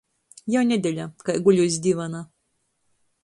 Jau nedeļa, kai guļu iz divana.